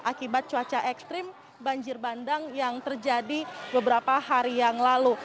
akibat cuaca ekstrim banjir bandang yang terjadi beberapa hari yang lalu